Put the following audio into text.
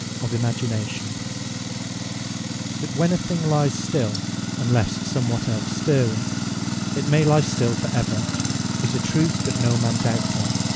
OF IMAGINATION That when a thing lies still, unlesse somewhat els stirre it, it will lye still for ever, is a truth that no man doubts of.